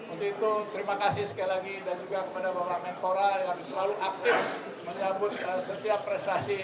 untuk itu terima kasih sekali lagi dan juga kepada bapak mentora yang selalu aktif menyambut setiap prestasi